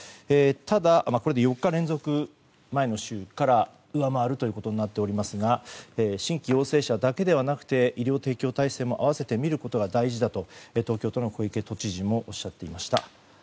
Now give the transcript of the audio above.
ただ、これで４日連続前の週から上回るということになっておりますが新規陽性者だけではなくて医療提供体制も併せて見ることが大事だと、東京都の小池都知事もおっしゃっていました。